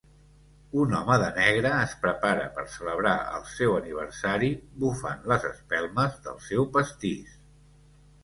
Un home de negre es prepara per celebrar el seu aniversari bufant les espelmes del seu pastís.